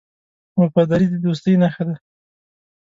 وفاداري د دوستۍ نښه ده.